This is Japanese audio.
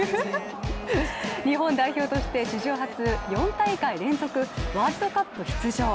日本代表として史上初４大会連続ワールドカップ出場。